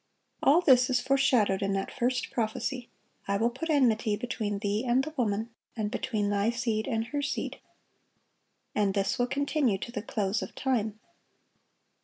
All this is foreshadowed in that first prophecy, "I will put enmity between thee and the woman, and between thy seed and her seed." And this will continue to the close of time.